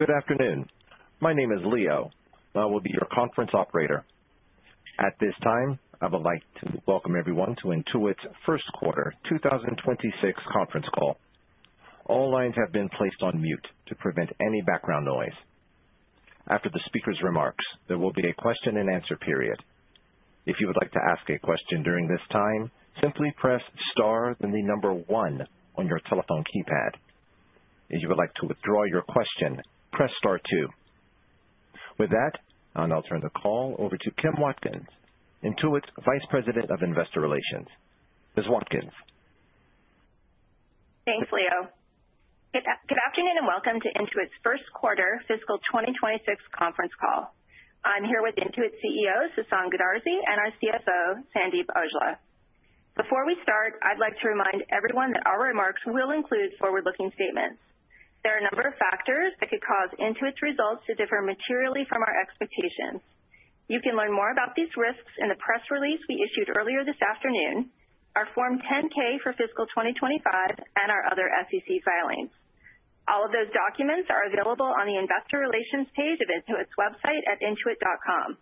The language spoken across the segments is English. Good afternoon. My name is Leo. I will be your conference operator. At this time, I would like to welcome everyone to Intuit's first quarter 2026 conference call. All lines have been placed on mute to prevent any background noise. After the speaker's remarks, there will be a question-and-answer period. If you would like to ask a question during this time, simply press star then the number one on your telephone keypad. If you would like to withdraw your question, press star two. With that, I'll now turn the call over to Kim Watkins, Intuit's Vice President of Investor Relations. Ms. Watkins. Thanks, Leo. Good afternoon and welcome to Intuit's first quarter fiscal 2026 conference call. I'm here with Intuit CEO Sasan Goodarzi and our CFO, Sandeep Aujla. Before we start, I'd like to remind everyone that our remarks will include forward-looking statements. There are a number of factors that could cause Intuit's results to differ materially from our expectations. You can learn more about these risks in the press release we issued earlier this afternoon, our Form 10-K for fiscal 2025, and our other SEC filings. All of those documents are available on the Investor Relations page of Intuit's website at intuit.com.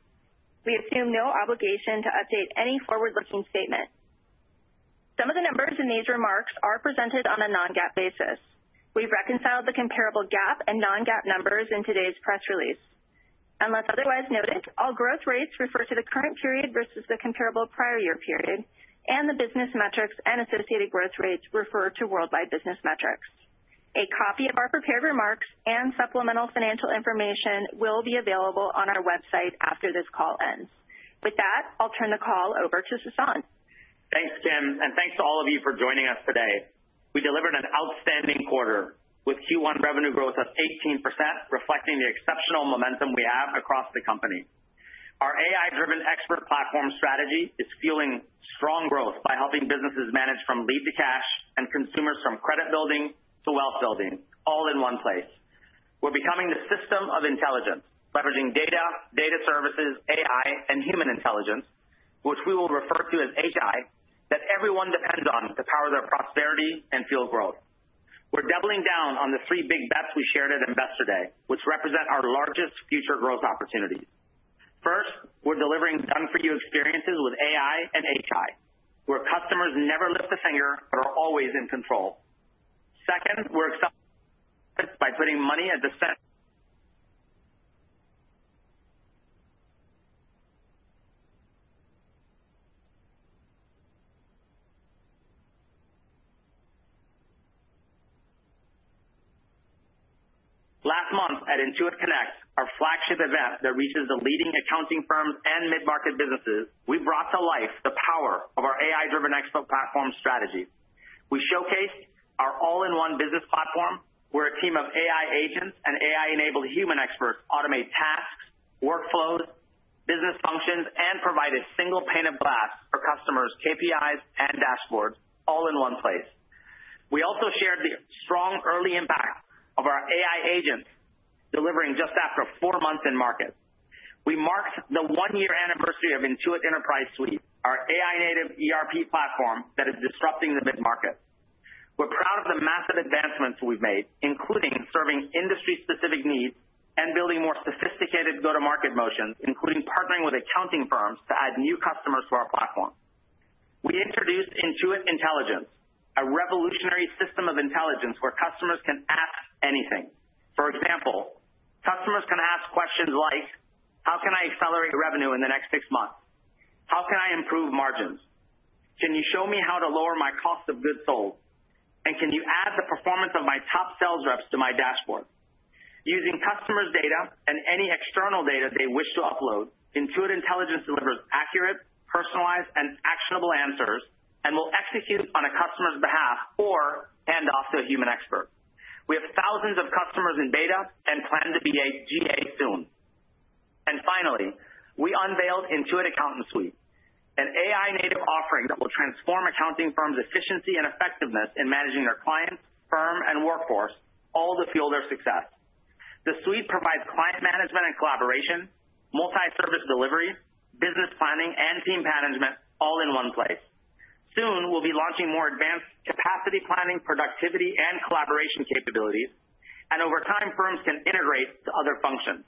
We assume no obligation to update any forward-looking statement. Some of the numbers in these remarks are presented on a non-GAAP basis. We've reconciled the comparable GAAP and non-GAAP numbers in today's press release. Unless otherwise noted, all growth rates refer to the current period versus the comparable prior year period, and the business metrics and associated growth rates refer to worldwide business metrics. A copy of our prepared remarks and supplemental financial information will be available on our website after this call ends. With that, I'll turn the call over to Sasan. Thanks, Kim, and thanks to all of you for joining us today. We delivered an outstanding quarter with Q1 revenue growth of 18%, reflecting the exceptional momentum we have across the company. Our AI-driven expert platform strategy is fueling strong growth by helping businesses manage from lead to cash and consumers from credit building to wealth building, all in one place. We're becoming the system of intelligence, leveraging data, data services, AI, and human intelligence, which we will refer to as HI, that everyone depends on to power their prosperity and fuel growth. We're doubling down on the three big bets we shared at Investor Day, which represent our largest future growth opportunities. First, we're delivering done-for-you experiences with AI and HI, where customers never lift a finger but are always in control. Second, we're excited by putting money at the center. Last month at Intuit Connect, our flagship event that reaches the leading accounting firms and mid-market businesses, we brought to life the power of our AI-driven expert platform strategy. We showcased our all-in-one business platform, where a team of AI agents and AI-enabled human experts automate tasks, workflows, business functions, and provide a single pane of glass for customers' KPIs and dashboards, all in one place. We also shared the strong early impact of our AI agents, delivering just after four months in market. We marked the one-year anniversary of Intuit Enterprise Suite, our AI-native ERP platform that is disrupting the mid-market. We're proud of the massive advancements we've made, including serving industry-specific needs and building more sophisticated go-to-market motions, including partnering with accounting firms to add new customers to our platform. We introduced Intuit Intelligence, a revolutionary system of intelligence where customers can ask anything. For example, customers can ask questions like, "How can I accelerate revenue in the next six months? How can I improve margins? Can you show me how to lower my cost of goods sold? And can you add the performance of my top sales reps to my dashboard?" Using customers' data and any external data they wish to upload, Intuit Intelligence delivers accurate, personalized, and actionable answers and will execute on a customer's behalf or hand off to a human expert. We have thousands of customers in beta and plan to be a GA soon. Finally, we unveiled Intuit Accounting Suite, an AI-native offering that will transform accounting firms' efficiency and effectiveness in managing their clients, firm, and workforce, all to fuel their success. The suite provides client management and collaboration, multi-service delivery, business planning, and team management, all in one place. Soon, we'll be launching more advanced capacity planning, productivity, and collaboration capabilities. Over time, firms can integrate to other functions.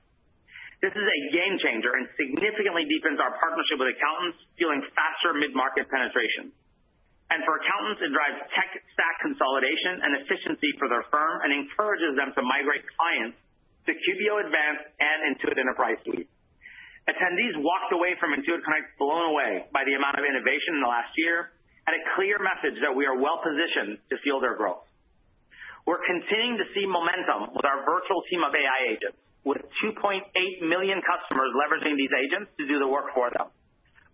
This is a game changer and significantly deepens our partnership with accountants, fueling faster mid-market penetration. For accountants, it drives tech stack consolidation and efficiency for their firm and encourages them to migrate clients to QBO Advanced and Intuit Enterprise Suite. Attendees walked away from Intuit Connect blown away by the amount of innovation in the last year and a clear message that we are well-positioned to fuel their growth. We're continuing to see momentum with our virtual team of AI agents, with 2.8 million customers leveraging these agents to do the work for them.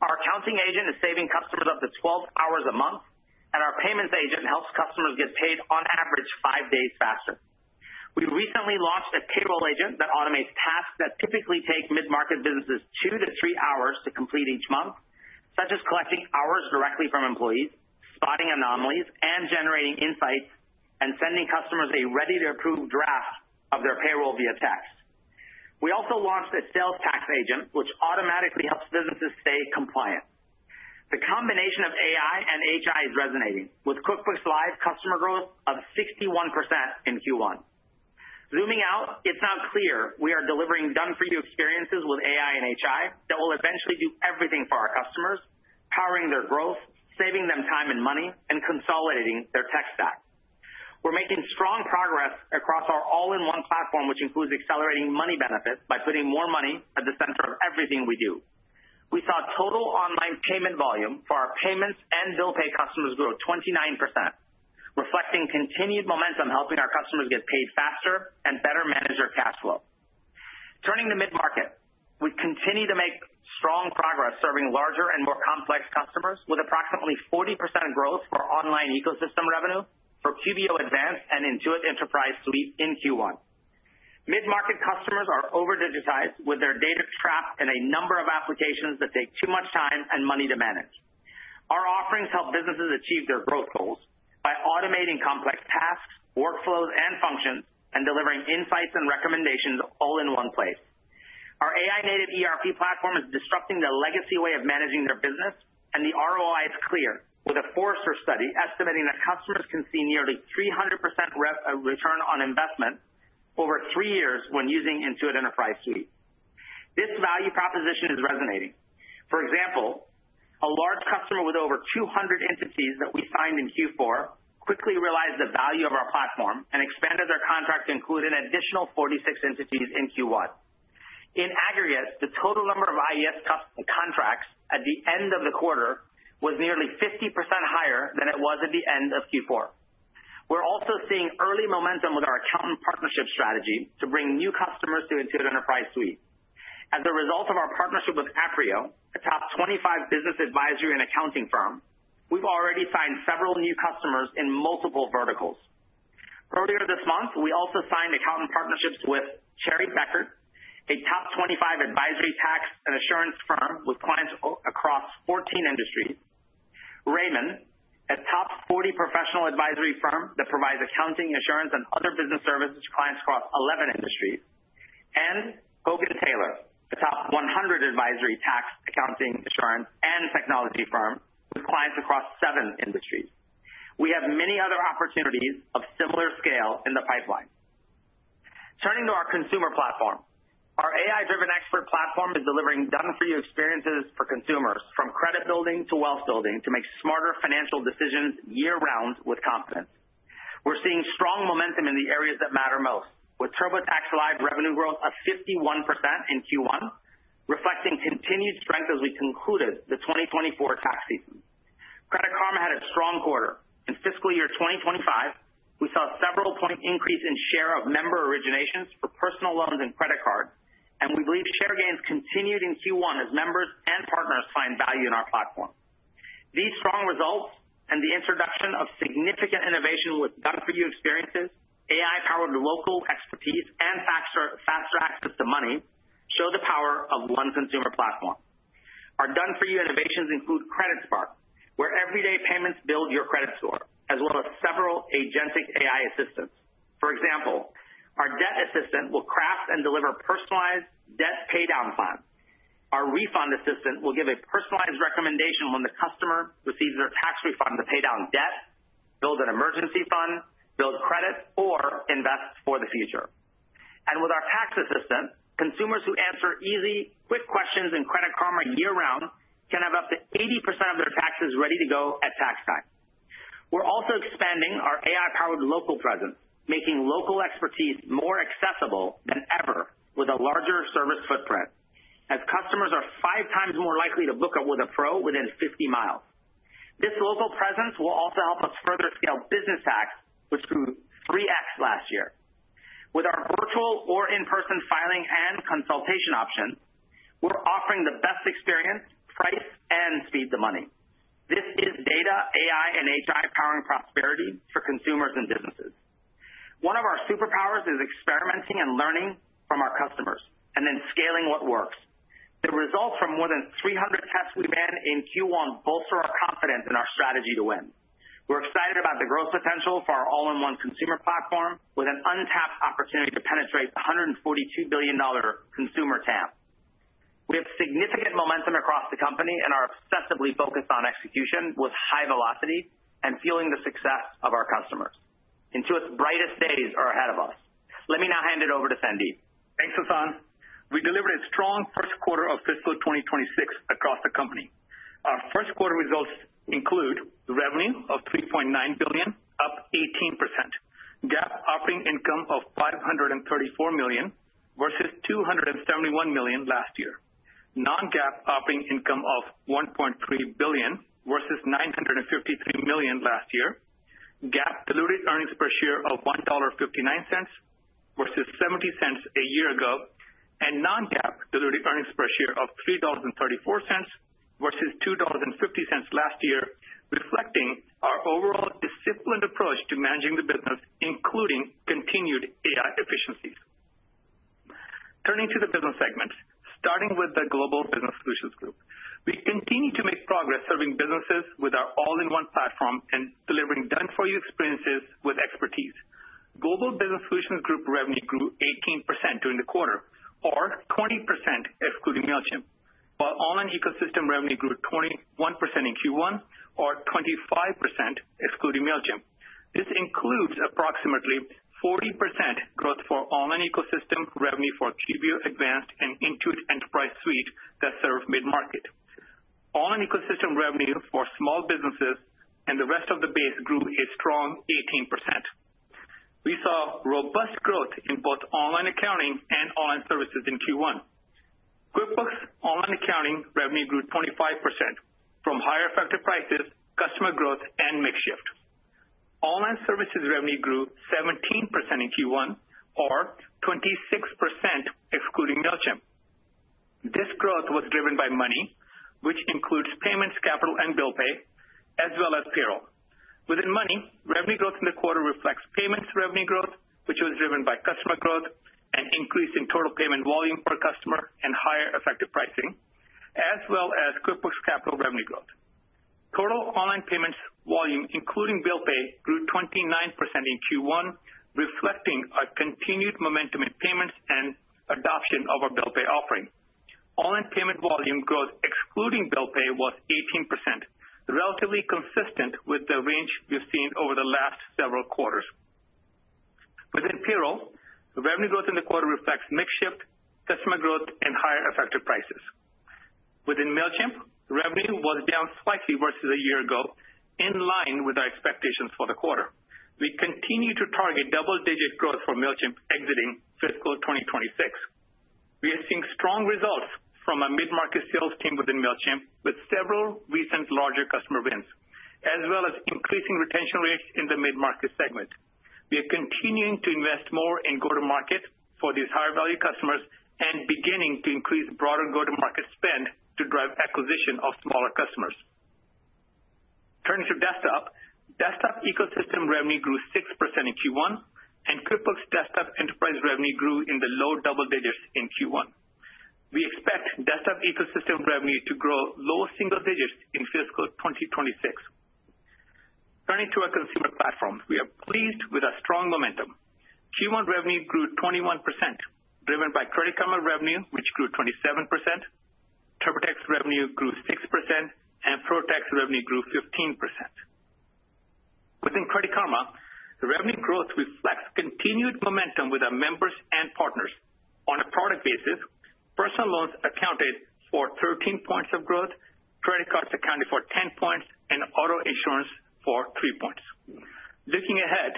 Our accounting agent is saving customers up to 12 hours a month, and our payments agent helps customers get paid on average five days faster. We recently launched a payroll agent that automates tasks that typically take mid-market businesses two to three hours to complete each month, such as collecting hours directly from employees, spotting anomalies, generating insights, and sending customers a ready-to-approve draft of their payroll via text. We also launched a sales tax agent, which automatically helps businesses stay compliant. The combination of AI and HI is resonating, with QuickBooks Live customer growth of 61% in Q1. Zooming out, it is now clear we are delivering done-for-you experiences with AI and HI that will eventually do everything for our customers, powering their growth, saving them time and money, and consolidating their tech stack. We are making strong progress across our all-in-one platform, which includes accelerating money benefits by putting more money at the center of everything we do. We saw total online payment volume for our payments and bill pay customers grow 29%, reflecting continued momentum helping our customers get paid faster and better manage their cash flow. Turning to mid-market, we continue to make strong progress serving larger and more complex customers with approximately 40% growth for online ecosystem revenue for QBO Advanced and Intuit Enterprise Suite in Q1. Mid-market customers are over-digitized with their data trapped in a number of applications that take too much time and money to manage. Our offerings help businesses achieve their growth goals by automating complex tasks, workflows, and functions, and delivering insights and recommendations all in one place. Our AI-native ERP platform is disrupting the legacy way of managing their business, and the ROI is clear, with a Forrester study estimating that customers can see nearly 300% return on investment over three years when using Intuit Enterprise Suite. This value proposition is resonating. For example, a large customer with over 200 entities that we signed in Q4 quickly realized the value of our platform and expanded their contract to include an additional 46 entities in Q1. In aggregate, the total number of IES contracts at the end of the quarter was nearly 50% higher than it was at the end of Q4. We're also seeing early momentum with our accountant partnership strategy to bring new customers to Intuit Enterprise Suite. As a result of our partnership with Aprio, a top 25 business advisory and accounting firm, we've already signed several new customers in multiple verticals. Earlier this month, we also signed accountant partnerships with Cherry Bekaert, a top 25 advisory tax and assurance firm with clients across 14 industries, Raymond, a top 40 professional advisory firm that provides accounting, assurance, and other business services to clients across 11 industries, and HoganTaylor, a top 100 advisory tax, accounting, assurance, and technology firm with clients across seven industries. We have many other opportunities of similar scale in the pipeline. Turning to our consumer platform, our AI-driven expert platform is delivering done-for-you experiences for consumers from credit building to wealth building to make smarter financial decisions year-round with confidence. We're seeing strong momentum in the areas that matter most, with TurboTax Live revenue growth of 51% in Q1, reflecting continued strength as we concluded the 2024 tax season. Credit Karma had a strong quarter. In fiscal year 2025, we saw a several-point increase in share of member originations for personal loans and credit cards, and we believe share gains continued in Q1 as members and partners find value in our platform. These strong results and the introduction of significant innovation with done-for-you experiences, AI-powered local expertise, and faster access to money show the power of one consumer platform. Our done-for-you innovations include CreditSpark, where everyday payments build your credit score, as well as several agentic AI assistants. For example, our debt assistant will craft and deliver personalized debt paydown plans. Our refund assistant will give a personalized recommendation when the customer receives their tax refund to pay down debt, build an emergency fund, build credit, or invest for the future. With our tax assistant, consumers who answer easy, quick questions in Credit Karma year-round can have up to 80% of their taxes ready to go at tax time. We are also expanding our AI-powered local presence, making local expertise more accessible than ever with a larger service footprint, as customers are five times more likely to book up with a pro within 50 mi. This local presence will also help us further scale business tax, which grew 3x last year. With our virtual or in-person filing and consultation options, we are offering the best experience, price, and speed to money. This is data, AI, and HI powering prosperity for consumers and businesses. One of our superpowers is experimenting and learning from our customers and then scaling what works. The results from more than 300 tests we ran in Q1 bolster our confidence in our strategy to win. We're excited about the growth potential for our all-in-one consumer platform, with an untapped opportunity to penetrate the $142 billion consumer TAM. We have significant momentum across the company and are obsessively focused on execution with high velocity and fueling the success of our customers. Intuit's brightest days are ahead of us. Let me now hand it over to Sandeep. Thanks, Sasan. We delivered a strong first quarter of fiscal 2026 across the company. Our first quarter results include revenue of $3.9 billion, up 18%, GAAP operating income of $534 million versus $271 million last year, non-GAAP operating income of $1.3 billion versus $953 million last year, GAAP diluted earnings per share of $1.59 versus $0.70 a year ago, and non-GAAP diluted earnings per share of $3.34 versus $2.50 last year, reflecting our overall disciplined approach to managing the business, including continued AI efficiencies. Turning to the business segment, starting with the Global Business Solutions Group, we continue to make progress serving businesses with our all-in-one platform and delivering done-for-you experiences with expertise. Global Business Solutions Group revenue grew 18% during the quarter, or 20% excluding Mailchimp, while online ecosystem revenue grew 21% in Q1, or 25% excluding Mailchimp. This includes approximately 40% growth for online ecosystem revenue for QBO Advanced and Intuit Enterprise Suite that serve mid-market. Online ecosystem revenue for small businesses and the rest of the base grew a strong 18%. We saw robust growth in both online accounting and online services in Q1. QuickBooks Online accounting revenue grew 25% from higher effective prices, customer growth, and makeshift. Online services revenue grew 17% in Q1, or 26% excluding Mailchimp. This growth was driven by money, which includes payments, capital, and bill pay, as well as payroll. Within money, revenue growth in the quarter reflects payments revenue growth, which was driven by customer growth and increase in total payment volume per customer and higher effective pricing, as well as QuickBooks Capital revenue growth. Total online payments volume, including bill pay, grew 29% in Q1, reflecting a continued momentum in payments and adoption of our bill pay offering. Online payment volume growth, excluding bill pay, was 18%, relatively consistent with the range we've seen over the last several quarters. Within payroll, revenue growth in the quarter reflects mix shift, customer growth, and higher effective prices. Within Mailchimp, revenue was down slightly versus a year ago, in line with our expectations for the quarter. We continue to target double-digit growth for Mailchimp exiting fiscal 2026. We are seeing strong results from our mid-market sales team within Mailchimp, with several recent larger customer wins, as well as increasing retention rates in the mid-market segment. We are continuing to invest more in go-to-market for these higher-value customers and beginning to increase broader go-to-market spend to drive acquisition of smaller customers. Turning to desktop, desktop ecosystem revenue grew 6% in Q1, and QuickBooks Desktop Enterprise revenue grew in the low double digits in Q1. We expect desktop ecosystem revenue to grow low single digits in fiscal 2026. Turning to our consumer platform, we are pleased with our strong momentum. Q1 revenue grew 21%, driven by Credit Karma revenue, which grew 27%. TurboTax revenue grew 6%, and ProTax revenue grew 15%. Within Credit Karma, revenue growth reflects continued momentum with our members and partners. On a product basis, personal loans accounted for 13 percentage points of growth, credit cards accounted for 10 percentage points, and auto insurance for 3 percentage points. Looking ahead,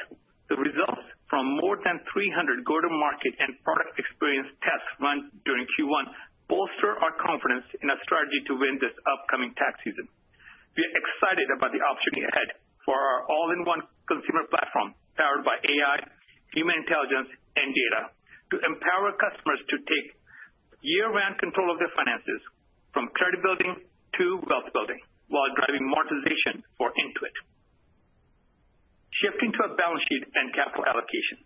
the results from more than 300 go-to-market and product experience tests run during Q1 bolster our confidence in our strategy to win this upcoming tax season. We are excited about the opportunity ahead for our all-in-one consumer platform powered by AI, human intelligence, and data to empower customers to take year-round control of their finances, from credit building to wealth building, while driving monetization for Intuit. Shifting to a balance sheet and capital allocation,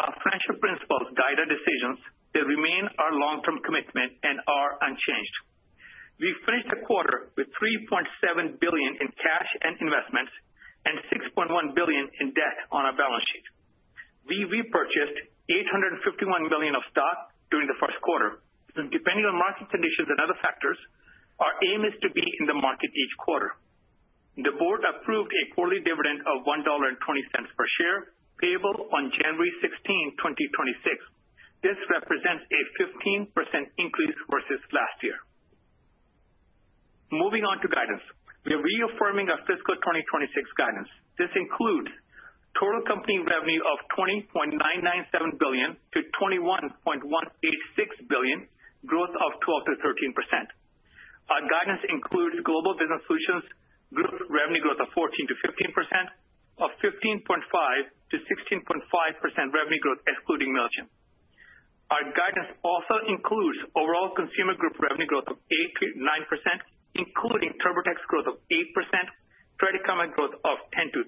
our financial principles guide our decisions. They remain our long-term commitment and are unchanged. We finished the quarter with $3.7 billion in cash and investments and $6.1 billion in debt on our balance sheet. We repurchased $851 million of stock during the first quarter. Depending on market conditions and other factors, our aim is to be in the market each quarter. The board approved a quarterly dividend of $1.20 per share payable on January 16, 2026. This represents a 15% increase versus last year. Moving on to guidance, we are reaffirming our fiscal 2026 guidance. This includes total company revenue of $20.997 billion-$21.186 billion, growth of 12%-13%. Our guidance includes Global Business Solutions Group revenue growth of 14%-15%, or 15.5%-16.5% revenue growth, excluding Mailchimp. Our guidance also includes overall Consumer Group revenue growth of 8%-9%, including TurboTax growth of 8%, Credit Karma growth of 10%-13%,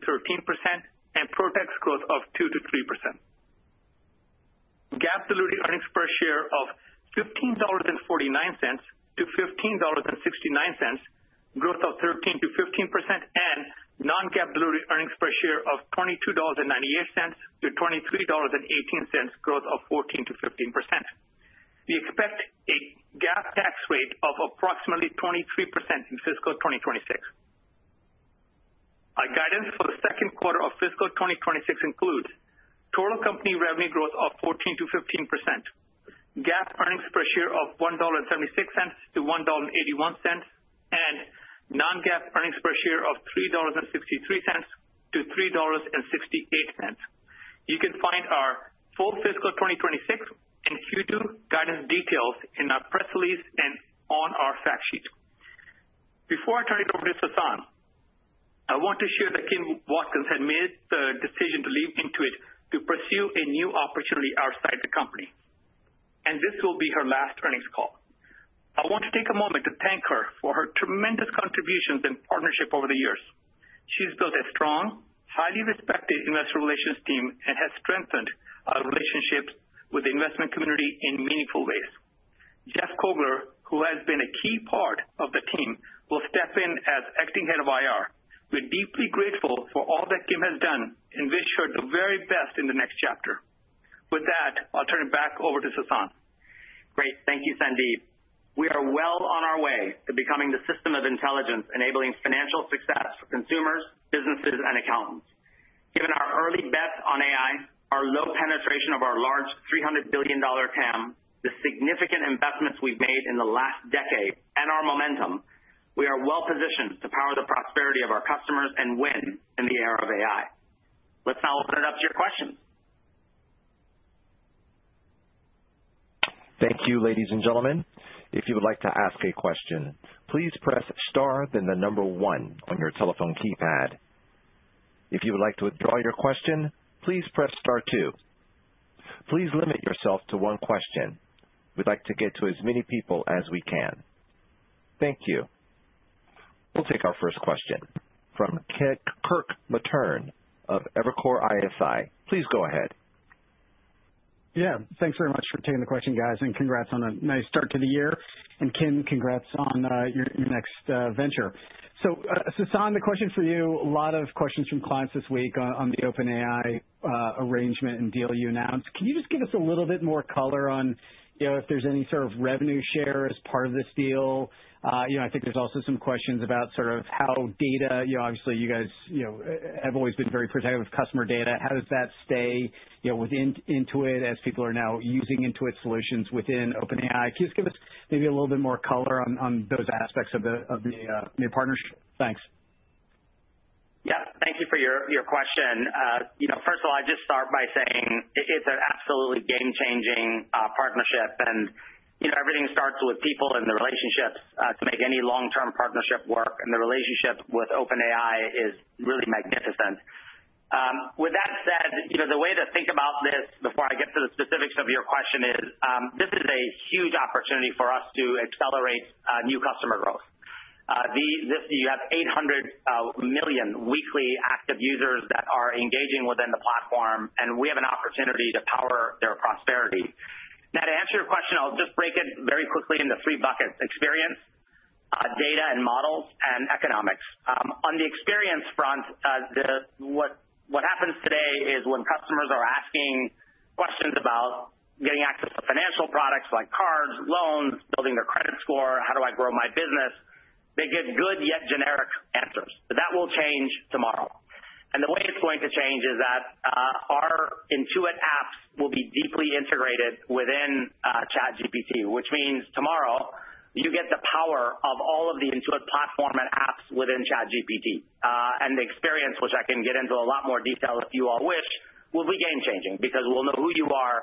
and ProTax growth of 2%-3%. GAAP diluted earnings per share of $15.49-$15.69, growth of 13%-15%, and non-GAAP diluted earnings per share of $22.98-$23.18, growth of 14%-15%. We expect a GAAP tax rate of approximately 23% in fiscal 2026. Our guidance for the second quarter of fiscal 2026 includes total company revenue growth of 14%-15%, GAAP earnings per share of $1.76-$1.81, and non-GAAP earnings per share of $3.63-$3.68. You can find our full fiscal 2026 and Q2 guidance details in our press release and on our fact sheet. Before I turn it over to Sasan, I want to share that Kim Watkins had made the decision to leave Intuit to pursue a new opportunity outside the company, and this will be her last earnings call. I want to take a moment to thank her for her tremendous contributions and partnership over the years. She's built a strong, highly respected investor relations team and has strengthened our relationships with the investment community in meaningful ways. Geoff Koegler, who has been a key part of the team, will step in as acting head of IR. We're deeply grateful for all that Kim has done and wish her the very best in the next chapter. With that, I'll turn it back over to Sasan. Great. Thank you, Sandeep. We are well on our way to becoming the system of intelligence enabling financial success for consumers, businesses, and accountants. Given our early bets on AI, our low penetration of our large $300 billion TAM, the significant investments we've made in the last decade, and our momentum, we are well positioned to power the prosperity of our customers and win in the era of AI. Let's now open it up to your questions. Thank you, ladies and gentlemen. If you would like to ask a question, please press star, then the number one on your telephone keypad. If you would like to withdraw your question, please press star two. Please limit yourself to one question. We'd like to get to as many people as we can. Thank you. We'll take our first question from Kirk Materne of Evercore ISI. Please go ahead. Yeah, thanks very much for taking the question, guys, and congrats on a nice start to the year. Kim, congrats on your next venture. Sasan, the question for you, a lot of questions from clients this week on the OpenAI arrangement and deal you announced. Can you just give us a little bit more color on if there's any sort of revenue share as part of this deal? I think there's also some questions about sort of how data, obviously, you guys have always been very protective of customer data. How does that stay with Intuit as people are now using Intuit solutions within OpenAI? Just give us maybe a little bit more color on those aspects of the partnership. Thanks. Yeah, thank you for your question. First of all, I'll just start by saying it's an absolutely game-changing partnership, and everything starts with people and the relationships to make any long-term partnership work. The relationship with OpenAI is really magnificent. With that said, the way to think about this before I get to the specifics of your question is this is a huge opportunity for us to accelerate new customer growth. You have 800 million weekly active users that are engaging within the platform, and we have an opportunity to power their prosperity. Now, to answer your question, I'll just break it very quickly into three buckets: experience, data and models, and economics. On the experience front, what happens today is when customers are asking questions about getting access to financial products like cards, loans, building their credit score, how do I grow my business, they get good yet generic answers. That will change tomorrow. The way it's going to change is that our Intuit apps will be deeply integrated within ChatGPT, which means tomorrow you get the power of all of the Intuit platform and apps within ChatGPT. The experience, which I can get into a lot more detail if you all wish, will be game-changing because we'll know who you are,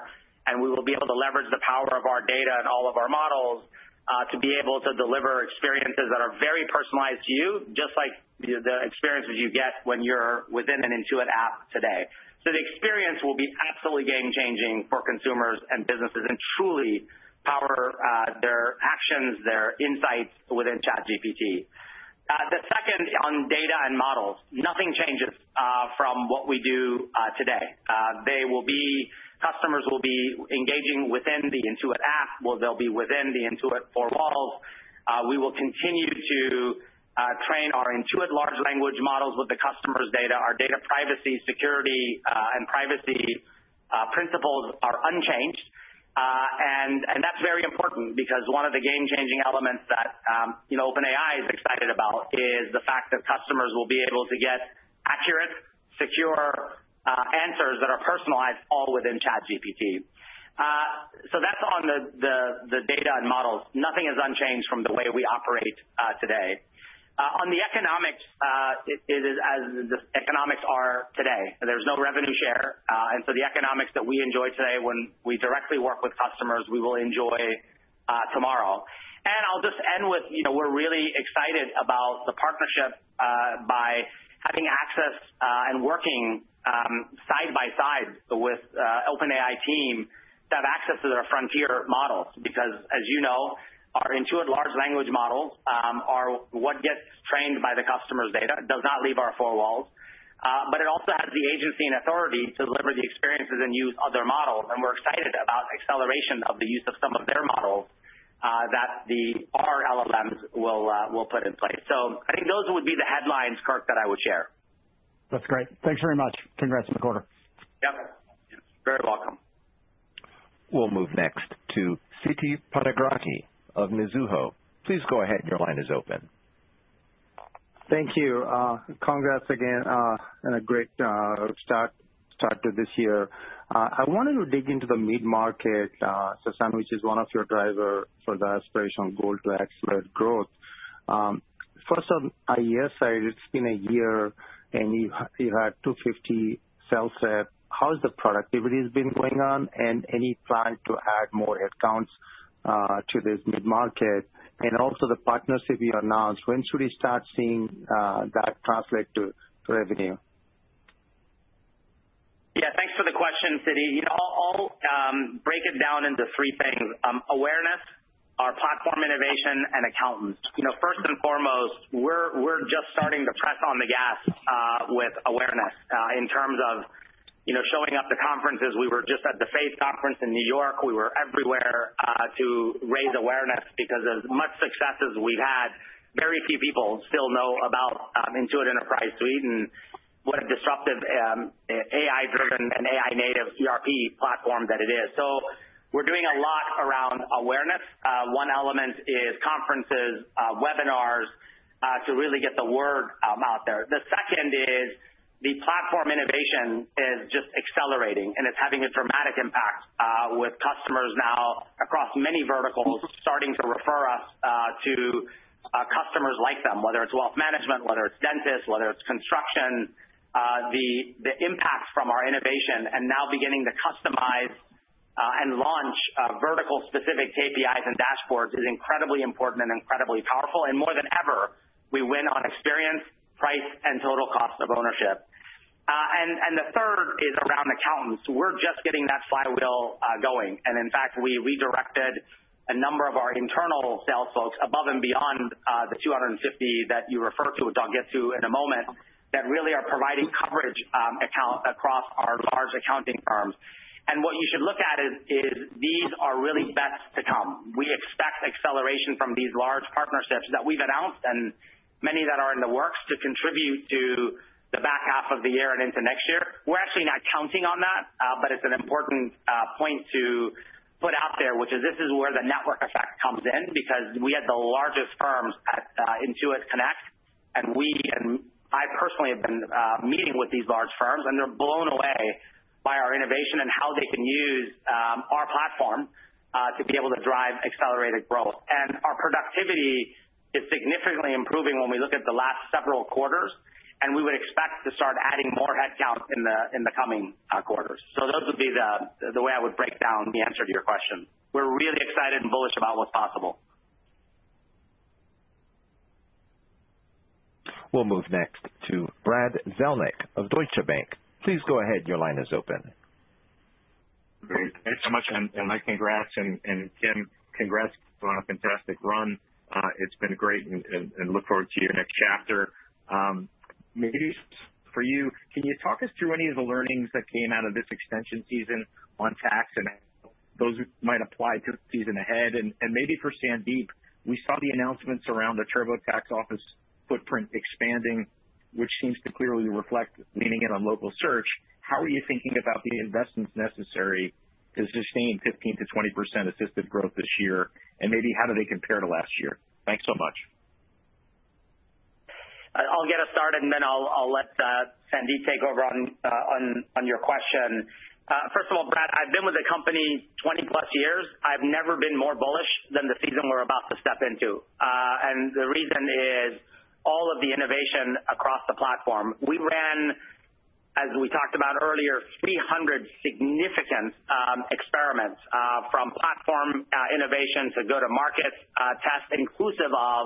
and we will be able to leverage the power of our data and all of our models to be able to deliver experiences that are very personalized to you, just like the experiences you get when you're within an Intuit app today. The experience will be absolutely game-changing for consumers and businesses and truly power their actions, their insights within ChatGPT. The second on data and models, nothing changes from what we do today. Customers will be engaging within the Intuit app. They'll be within the Intuit four walls. We will continue to train our Intuit large language models with the customer's data. Our data privacy, security, and privacy principles are unchanged. That is very important because one of the game-changing elements that OpenAI is excited about is the fact that customers will be able to get accurate, secure answers that are personalized all within ChatGPT. That is on the data and models. Nothing is unchanged from the way we operate today. On the economics, it is as the economics are today. There's no revenue share. The economics that we enjoy today when we directly work with customers, we will enjoy tomorrow. I'll just end with we're really excited about the partnership by having access and working side by side with the OpenAI team to have access to their frontier models. Because, as you know, our Intuit large language models are what gets trained by the customer's data. It does not leave our four walls. It also has the agency and authority to deliver the experiences and use other models. We're excited about acceleration of the use of some of their models that our LLMs will put in place. I think those would be the headlines, Kirk, that I would share. That's great. Thanks very much. Congrats on the quarter. Yep. Very welcome. We'll move next to Siti Panigrahi of Mizuho. Please go ahead. Your line is open. Thank you. Congrats again and a great start to this year. I wanted to dig into the mid-market, Sasan, which is one of your drivers for the aspirational goal to accelerate growth. First, on the IES side, it's been a year and you had 250 sales rep. How has the productivity been going on? Any plan to add more headcounts to this mid-market? Also the partnership you announced, when should we start seeing that translate to revenue? Yeah, thanks for the question, Siti. I'll break it down into three things: awareness, our platform innovation, and accountants. First and foremost, we're just starting to press on the gas with awareness in terms of showing up to conferences. We were just at the FACE conference in New York. We were everywhere to raise awareness because as much success as we've had, very few people still know about Intuit Enterprise Suite and what a disruptive AI-driven and AI-native ERP platform that it is. We are doing a lot around awareness. One element is conferences, webinars to really get the word out there. The second is the platform innovation is just accelerating, and it's having a dramatic impact with customers now across many verticals starting to refer us to customers like them, whether it's wealth management, whether it's dentists, whether it's construction. The impact from our innovation and now beginning to customize and launch vertical-specific KPIs and dashboards is incredibly important and incredibly powerful. More than ever, we win on experience, price, and total cost of ownership. The third is around accountants. We're just getting that flywheel going. In fact, we redirected a number of our internal sales folks above and beyond the 250 that you refer to and I'll get to in a moment that really are providing coverage account across our large accounting firms. What you should look at is these are really best to come. We expect acceleration from these large partnerships that we've announced and many that are in the works to contribute to the back half of the year and into next year. We're actually not counting on that, but it's an important point to put out there, which is this is where the network effect comes in because we had the largest firms at Intuit Connect, and I personally have been meeting with these large firms, and they're blown away by our innovation and how they can use our platform to be able to drive accelerated growth. Our productivity is significantly improving when we look at the last several quarters, and we would expect to start adding more headcounts in the coming quarters. Those would be the way I would break down the answer to your question. We're really excited and bullish about what's possible. We'll move next to Brad Zelnick of Deutsche Bank. Please go ahead. Your line is open. Great. Thanks so much, and my congrats. And Kim, congrats on a fantastic run. It's been great, and look forward to your next chapter. Maybe for you, can you talk us through any of the learnings that came out of this extension season on tax and how those might apply to the season ahead? And maybe for Sandeep, we saw the announcements around the TurboTax office footprint expanding, which seems to clearly reflect leaning in on local search. How are you thinking about the investments necessary to sustain 15%-20% assisted growth this year? And maybe how do they compare to last year? Thanks so much. I'll get us started, and then I'll let Sandeep take over on your question. First of all, Brad, I've been with the company 20+ years. I've never been more bullish than the season we're about to step into. The reason is all of the innovation across the platform. We ran, as we talked about earlier, 300 significant experiments from platform innovation to go-to-market tests, inclusive of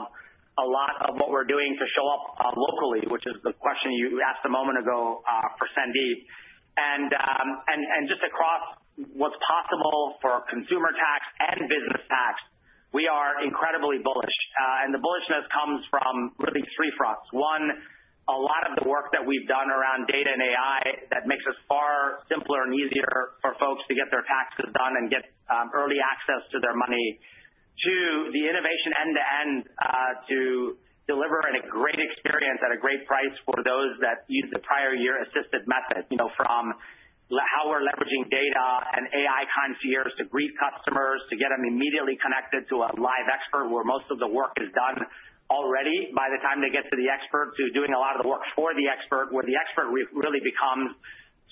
a lot of what we're doing to show up locally, which is the question you asked a moment ago for Sandeep. Just across what's possible for consumer tax and business tax, we are incredibly bullish. The bullishness comes from really three fronts. One, a lot of the work that we've done around data and AI that makes it far simpler and easier for folks to get their taxes done and get early access to their money. Two, the innovation end-to-end to deliver a great experience at a great price for those that used the prior-year assisted method, from how we're leveraging data and AI concierge to greet customers, to get them immediately connected to a live expert where most of the work is done already by the time they get to the expert, to doing a lot of the work for the expert where the expert really becomes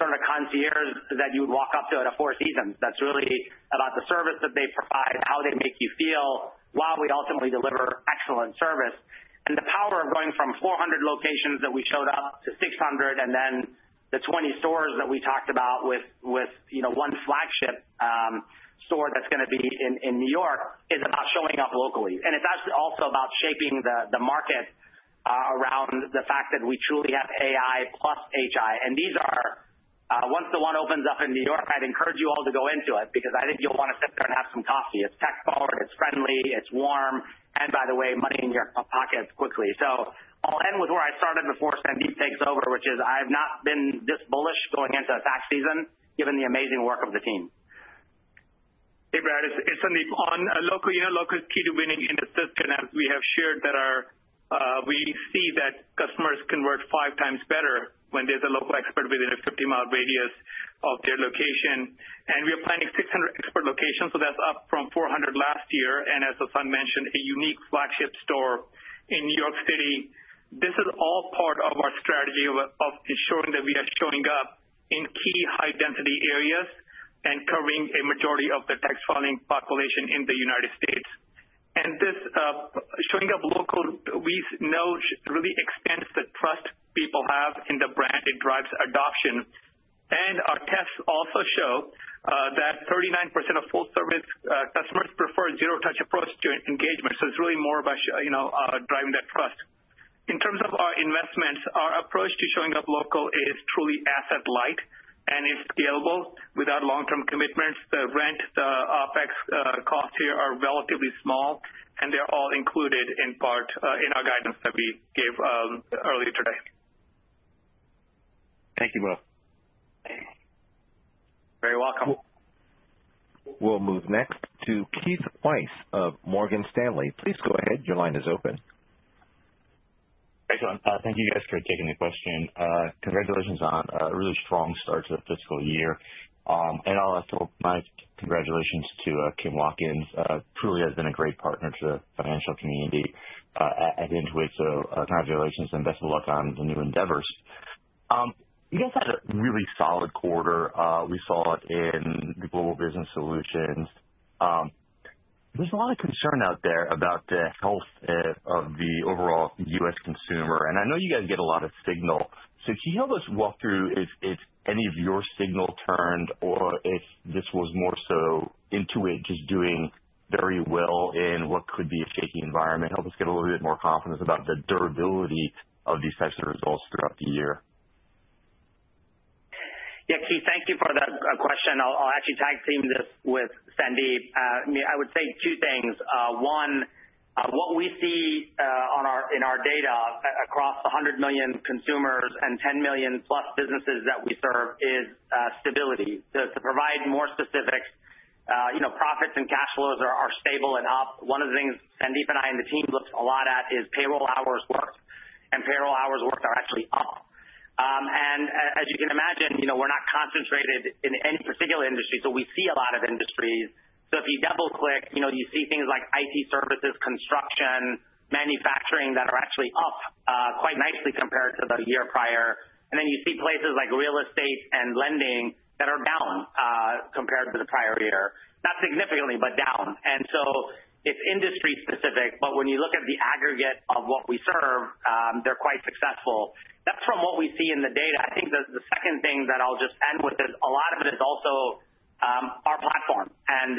sort of a concierge that you would walk up to at a Four Seasons. That is really about the service that they provide, how they make you feel while we ultimately deliver excellent service. The power of going from 400 locations that we showed up to 600 and then the 20 stores that we talked about with one flagship store that is going to be in New York is about showing up locally. It is actually also about shaping the market around the fact that we truly have AI plus HI. Once the one opens up in New York, I'd encourage you all to go into it because I think you'll want to sit there and have some coffee. It's tech-savvy, it's friendly, it's warm, and by the way, money in your pocket quickly. I'll end with where I started before Sandeep takes over, which is I have not been this bullish going into a tax season given the amazing work of the team. Hey, Brad. It's Sandeep. On local key to winning in assisted finance, we have shared that we see that customers convert five times better when there's a local expert within a 50 mi radius of their location. We are planning 600 expert locations, so that's up from 400 last year. As Sasan mentioned, a unique flagship store in New York City. This is all part of our strategy of ensuring that we are showing up in key high-density areas and covering a majority of the tax filing population in the United States. This showing up local, we know, really extends the trust people have in the brand. It drives adoption. Our tests also show that 39% of full-service customers prefer zero-touch approach to engagement. It's really more about driving that trust. In terms of our investments, our approach to showing up local is truly asset-light, and it's scalable without long-term commitments. The rent, the OpEx costs here are relatively small, and they're all included in part in our guidance that we gave earlier today. Thank you both. Thanks. Very welcome. We'll move next to Keith Weiss of Morgan Stanley. Please go ahead. Your line is open. Thank you, guys, for taking the question. Congratulations on a really strong start to the fiscal year. I will tell my congratulations to Kim Watkins. Truly, it has been a great partner to the financial community at Intuit. Congratulations and best of luck on the new endeavors. You guys had a really solid quarter. We saw it in the global business solutions. There is a lot of concern out there about the health of the overall U.S. consumer. I know you guys get a lot of signal. Can you help us walk through if any of your signal turned or if this was more so Intuit just doing very well in what could be a shaky environment? Help us get a little bit more confidence about the durability of these types of results throughout the year. Yeah, Keith, thank you for that question. I'll actually tag team this with Sandeep. I would say two things. One, what we see in our data across 100 million consumers and 10 million-plus businesses that we serve is stability. To provide more specifics, profits and cash flows are stable and up. One of the things Sandeep and I and the team looked a lot at is payroll hours worked. Payroll hours worked are actually up. As you can imagine, we're not concentrated in any particular industry, so we see a lot of industries. If you double-click, you see things like IT services, construction, manufacturing that are actually up quite nicely compared to the year prior. You see places like real estate and lending that are down compared to the prior year. Not significantly, but down. It is industry-specific, but when you look at the aggregate of what we serve, they are quite successful. That is from what we see in the data. I think the second thing that I will just end with is a lot of it is also our platform and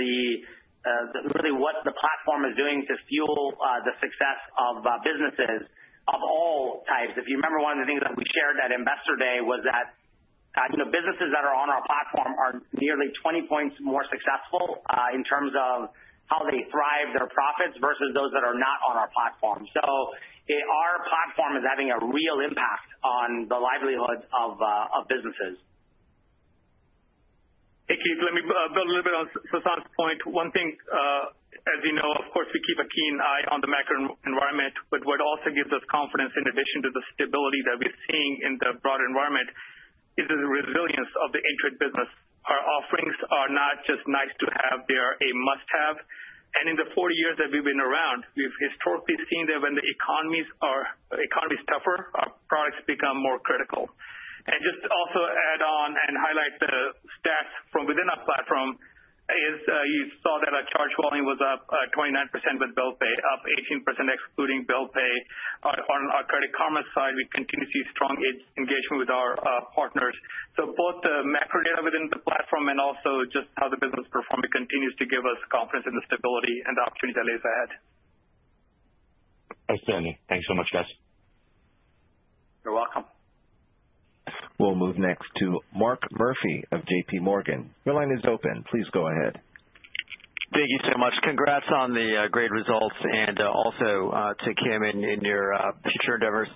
really what the platform is doing to fuel the success of businesses of all types. If you remember, one of the things that we shared at Investor Day was that businesses that are on our platform are nearly 20 percentage points more successful in terms of how they thrive their profits versus those that are not on our platform. Our platform is having a real impact on the livelihood of businesses. Hey, Keith, let me build a little bit on Sasan's point. One thing, as you know, of course, we keep a keen eye on the macro environment, but what also gives us confidence in addition to the stability that we're seeing in the broader environment is the resilience of the Intuit business. Our offerings are not just nice to have; they are a must-have. In the 40 years that we've been around, we've historically seen that when the economy's tougher, our products become more critical. Just also add on and highlight the stats from within our platform is you saw that our charge volume was up 29% with bill pay, up 18% excluding bill pay. On our Credit Karma side, we continue to see strong engagement with our partners. Both the macro data within the platform and also just how the business performed continues to give us confidence in the stability and the opportunity that lays ahead. Thanks, Sandeep. Thanks so much, guys. You're welcome. We'll move next to Mark Murphy of J.P. Morgan. Your line is open. Please go ahead. Thank you so much. Congrats on the great results, and also to Kim in your future endeavors.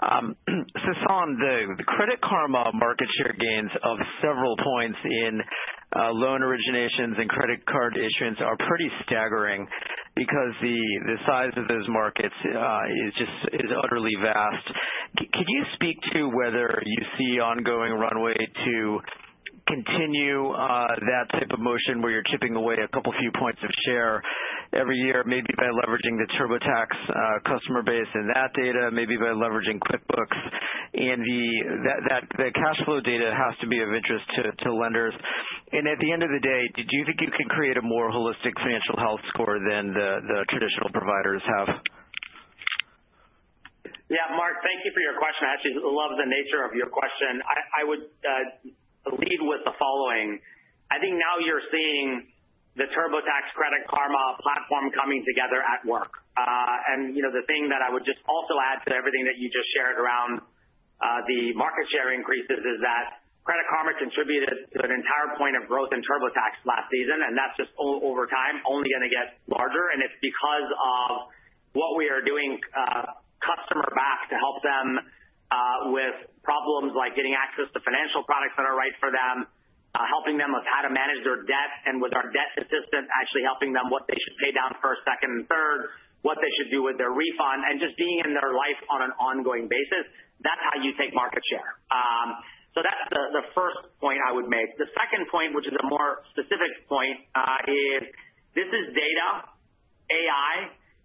Sasan, the Credit Karma market share gains of several points in loan originations and credit card issuance are pretty staggering because the size of those markets is just utterly vast. Can you speak to whether you see ongoing runway to continue that type of motion where you're chipping away a couple few points of share every year, maybe by leveraging the TurboTax customer base in that data, maybe by leveraging QuickBooks? The cash flow data has to be of interest to lenders. At the end of the day, did you think you could create a more holistic financial health score than the traditional providers have? Yeah, Mark, thank you for your question. I actually love the nature of your question. I would lead with the following. I think now you're seeing the TurboTax Credit Karma platform coming together at work. The thing that I would just also add to everything that you just shared around the market share increases is that Credit Karma contributed to an entire point of growth in TurboTax last season, and that's just over time only going to get larger. It is because of what we are doing customer back to help them with problems like getting access to financial products that are right for them, helping them with how to manage their debt, and with our debt assistant actually helping them what they should pay down first, second, and third, what they should do with their refund, and just being in their life on an ongoing basis. That's how you take market share. That is the first point I would make. The second point, which is a more specific point, is this is data, AI,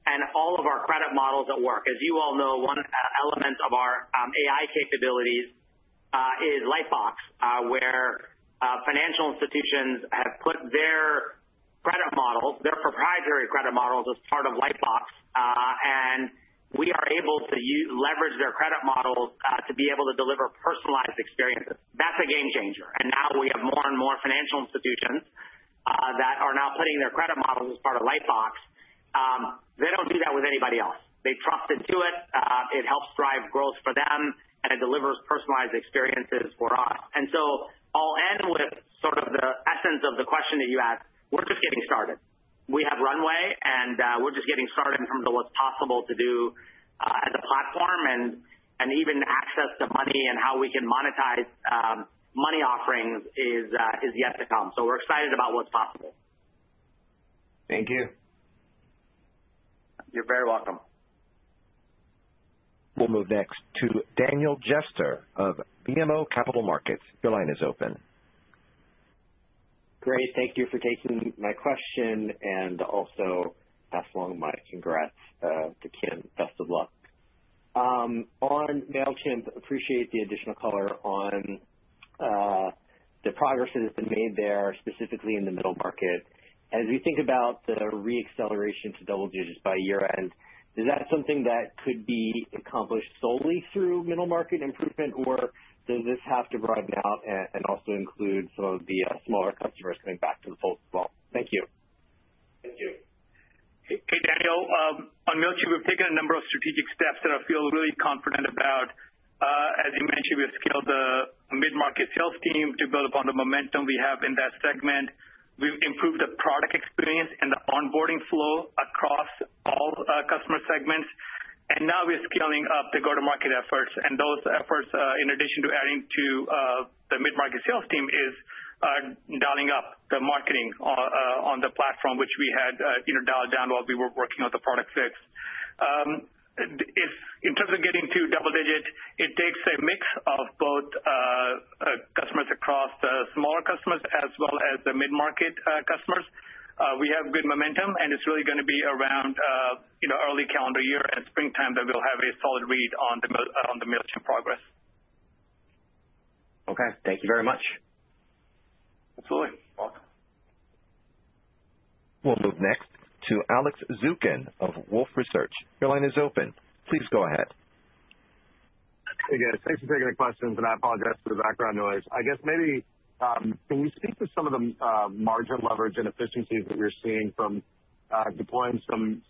and all of our credit models at work. As you all know, one element of our AI capabilities is Lightbox, where financial institutions have put their credit models, their proprietary credit models, as part of Lightbox, and we are able to leverage their credit models to be able to deliver personalized experiences. That is a game changer. Now we have more and more financial institutions that are now putting their credit models as part of Lightbox. They do not do that with anybody else. They trusted Intuit. It helps drive growth for them, and it delivers personalized experiences for us. I will end with sort of the essence of the question that you asked. We are just getting started. We have runway, and we're just getting started in terms of what's possible to do as a platform. Even access to money and how we can monetize money offerings is yet to come. We're excited about what's possible. Thank you. You're very welcome. We'll move next to Daniel Jester of BMO Capital Markets. Your line is open. Great. Thank you for taking my question and also pass along my congrats to Kim. Best of luck. On Mailchimp, appreciate the additional color on the progress that has been made there specifically in the middle market. As we think about the re-acceleration to double digits by year-end, is that something that could be accomplished solely through middle market improvement, or does this have to broaden out and also include some of the smaller customers coming back to the fold as well? Thank you. Hey, Daniel. On Mailchimp, we've taken a number of strategic steps that I feel really confident about. As you mentioned, we've scaled the mid-market sales team to build upon the momentum we have in that segment. We've improved the product experience and the onboarding flow across all customer segments. Now we're scaling up the go-to-market efforts. Those efforts, in addition to adding to the mid-market sales team, are dialing up the marketing on the platform, which we had dialed down while we were working on the product fix. In terms of getting to double digits, it takes a mix of both customers across the smaller customers as well as the mid-market customers. We have good momentum, and it's really going to be around early calendar year and springtime that we'll have a solid read on the Mailchimp progress. Okay. Thank you very much. Absolutely. We'll move next to Alex Zukin of Wolfe Research. Your line is open. Please go ahead. Hey, guys. Thanks for taking the questions, and I apologize for the background noise. I guess maybe can you speak to some of the margin leverage and efficiencies that we're seeing from deploying some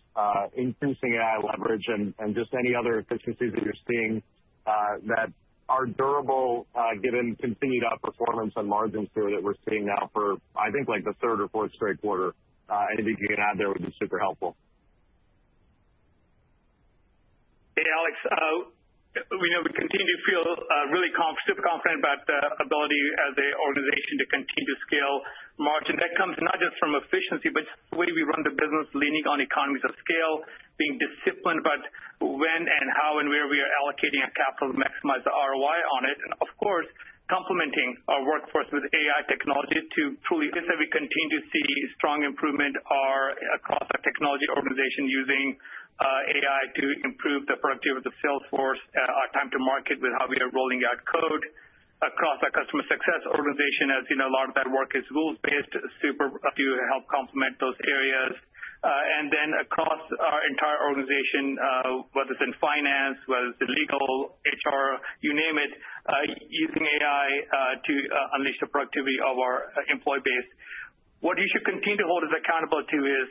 increasing AI leverage and just any other efficiencies that you're seeing that are durable given continued outperformance and margins here that we're seeing now for, I think, like the third or fourth straight quarter? Anything you can add there would be super helpful. Hey, Alex. We continue to feel really super confident about the ability as an organization to continue to scale margin. That comes not just from efficiency, but just the way we run the business, leaning on economies of scale, being disciplined about when and how and where we are allocating our capital to maximize the ROI on it. Of course, complementing our workforce with AI technology to truly continue to see strong improvement across our technology organization using AI to improve the productivity of the salesforce, our time to market with how we are rolling out code across our customer success organization. As you know, a lot of that work is rules-based, super. To help complement those areas. Across our entire organization, whether it's in finance, whether it's in legal, HR, you name it, using AI to unleash the productivity of our employee base. What you should continue to hold us accountable to is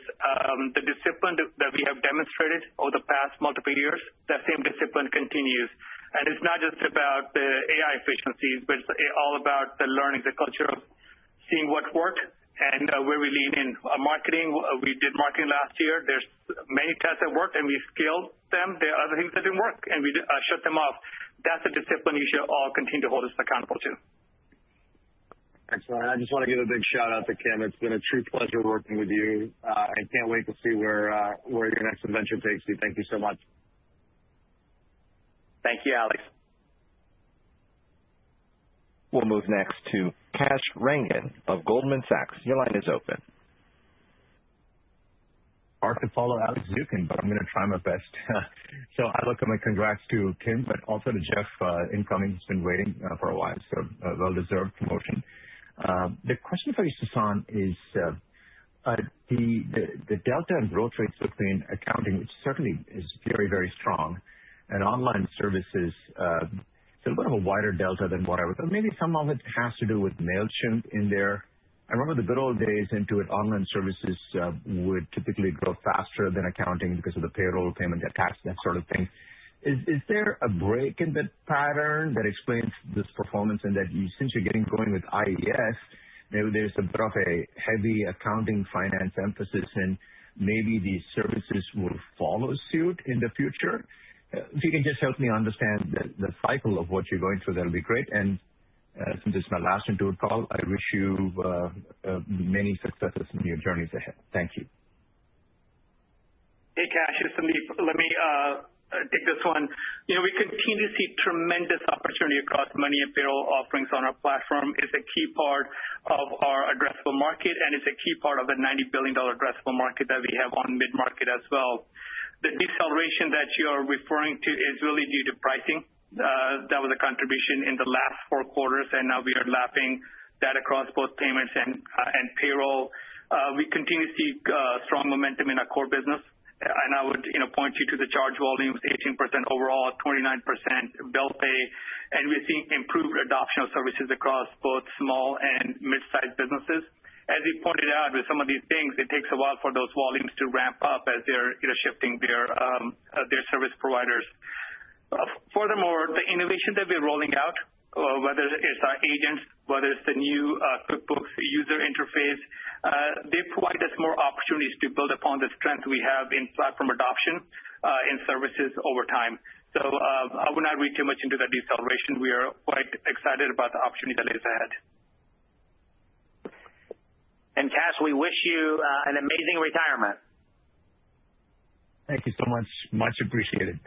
the discipline that we have demonstrated over the past multiple years. That same discipline continues. It's not just about the AI efficiencies, but it's all about the learning, the culture of seeing what worked and where we lean in. Marketing, we did marketing last year. There are many tests that worked, and we scaled them. There are other things that didn't work, and we shut them off. That's the discipline you should all continue to hold us accountable to. Excellent. I just want to give a big shout-out to Kim. It's been a true pleasure working with you. I can't wait to see where your next adventure takes you. Thank you so much. Thank you, Alex. We'll move next to Kash Rangan of Goldman Sachs. Your line is open. Hard to follow Alex Zukin, but I'm going to try my best. I'd like to give my congrats to Kim, but also to Jeff incoming. He's been waiting for a while, so well-deserved promotion. The question for you, Sasan, is the delta in growth rates between accounting, which certainly is very, very strong, and online services. It's a little bit of a wider delta than whatever. Maybe some of it has to do with Mailchimp in there. I remember the good old days Intuit online services would typically grow faster than accounting because of the payroll, payment, the tax, that sort of thing. Is there a break in the pattern that explains this performance in that since you're getting going with IES, maybe there's a bit of a heavy accounting finance emphasis, and maybe these services will follow suit in the future? If you can just help me understand the cycle of what you're going through, that will be great. Since it is my last interview call, I wish you many successes in your journeys ahead. Thank you. Hey, Kash. Just let me take this one. We continue to see tremendous opportunity across money and payroll offerings on our platform. It's a key part of our addressable market, and it's a key part of the $90 billion addressable market that we have on mid-market as well. The deceleration that you are referring to is really due to pricing. That was a contribution in the last four quarters, and now we are lapping that across both payments and payroll. We continue to see strong momentum in our core business. I would point you to the charge volumes, 18% overall, 29% bill pay, and we're seeing improved adoption of services across both small and mid-sized businesses. As you pointed out, with some of these things, it takes a while for those volumes to ramp up as they're shifting their service providers. Furthermore, the innovation that we're rolling out, whether it's our agents, whether it's the new QuickBooks user interface, they provide us more opportunities to build upon the strength we have in platform adoption and services over time. I would not read too much into that deceleration. We are quite excited about the opportunity that lays ahead. Cash, we wish you an amazing retirement. Thank you so much. Much appreciated.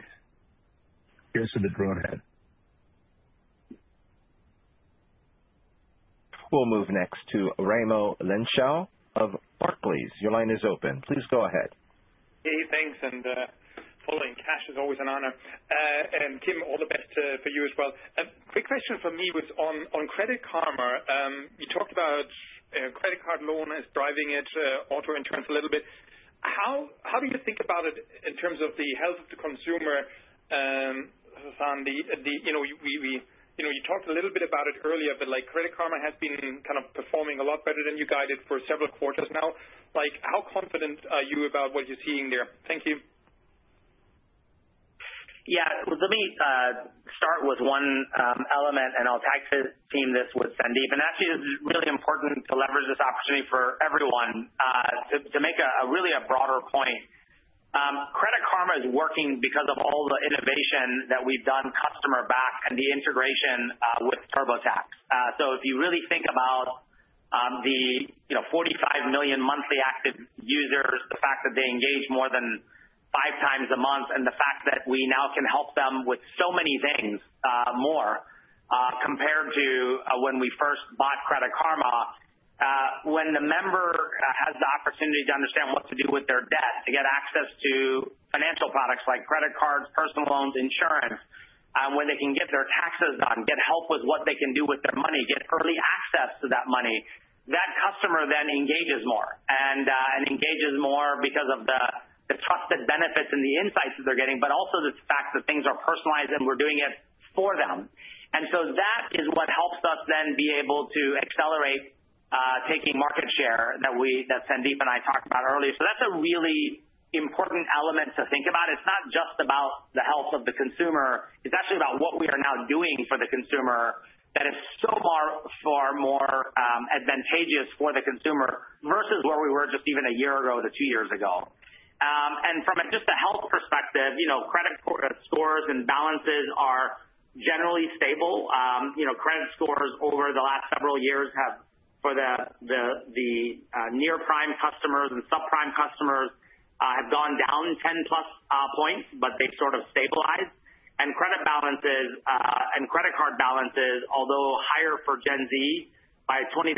Here's to the drone head. We'll move next to Raimo Lenschow of Barclays. Your line is open. Please go ahead. Hey, thanks. Following Kash is always an honor. Kim, all the best for you as well. Quick question for me was on Credit Karma. You talked about credit card loan as driving it, auto insurance a little bit. How do you think about it in terms of the health of the consumer, Sasan? You talked a little bit about it earlier, but Credit Karma has been kind of performing a lot better than you guided for several quarters now. How confident are you about what you're seeing there? Thank you. Yeah. Let me start with one element, and I'll tag team this with Sandeep. Actually, it's really important to leverage this opportunity for everyone to make really a broader point. Credit Karma is working because of all the innovation that we've done, customer back, and the integration with TurboTax. If you really think about the 45 million monthly active users, the fact that they engage more than five times a month, and the fact that we now can help them with so many things more compared to when we first bought Credit Karma, when the member has the opportunity to understand what to do with their debt, to get access to financial products like credit cards, personal loans, insurance, where they can get their taxes done, get help with what they can do with their money, get early access to that money, that customer then engages more and engages more because of the trusted benefits and the insights that they're getting, but also the fact that things are personalized and we're doing it for them. That is what helps us then be able to accelerate taking market share that Sandeep and I talked about earlier. That is a really important element to think about. It's not just about the health of the consumer. It's actually about what we are now doing for the consumer that is so far more advantageous for the consumer versus where we were just even a year ago or two years ago. From just a health perspective, credit scores and balances are generally stable. Credit scores over the last several years for the near-prime customers and sub-prime customers have gone down 10-plus points, but they've sort of stabilized. Credit balances and credit card balances, although higher for Gen Z by 20%-30%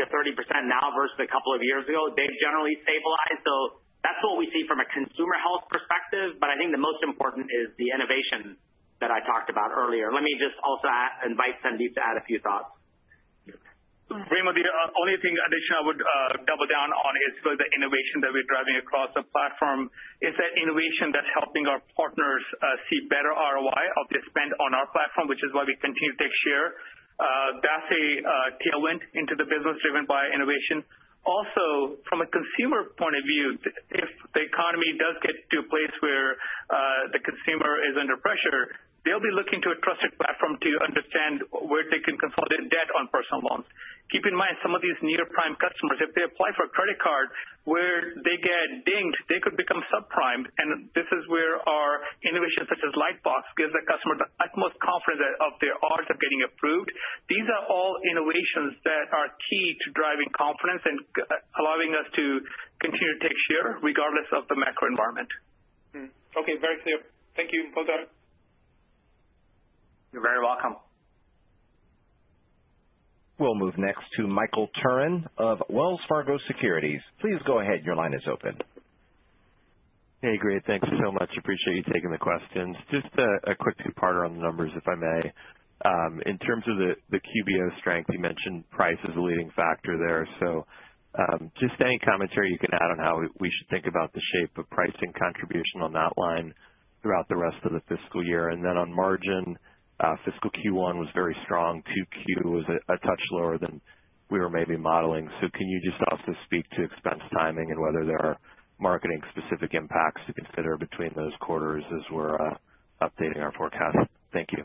now versus a couple of years ago, have generally stabilized. That is what we see from a consumer health perspective, but I think the most important is the innovation that I talked about earlier. Let me just also invite Sandeep to add a few thoughts. Raimo, the only thing additional I would double down on is for the innovation that we're driving across the platform. It's that innovation that's helping our partners see better ROI of their spend on our platform, which is why we continue to take share. That's a tailwind into the business driven by innovation. Also, from a consumer point of view, if the economy does get to a place where the consumer is under pressure, they'll be looking to a trusted platform to understand where they can consolidate debt on personal loans. Keep in mind, some of these near-prime customers, if they apply for a credit card where they get dinged, they could become sub-prime. This is where our innovation, such as Lightbox, gives the customer the utmost confidence of their odds of getting approved. These are all innovations that are key to driving confidence and allowing us to continue to take share regardless of the macro environment. Okay. Very clear. Thank you. Both are. You're very welcome. We'll move next to Michael Turrin of Wells Fargo Securities. Please go ahead. Your line is open. Hey, great. Thanks so much. Appreciate you taking the questions. Just a quick two-parter on the numbers, if I may. In terms of the QBO strength, you mentioned price is a leading factor there. Just any commentary you can add on how we should think about the shape of pricing contribution on that line throughout the rest of the fiscal year. In terms of margin, fiscal Q1 was very strong. Q2 was a touch lower than we were maybe modeling. Can you just also speak to expense timing and whether there are marketing-specific impacts to consider between those quarters as we're updating our forecast? Thank you.